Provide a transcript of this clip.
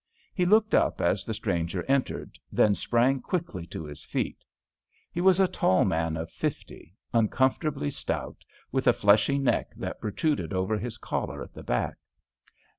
He looked up as the stranger entered, then sprang quickly to his feet. He was a tall man of fifty, uncomfortably stout, with a fleshy neck that protruded over his collar at the back.